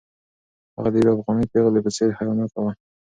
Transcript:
هغه د یوې افغانۍ پېغلې په څېر حیاناکه وه.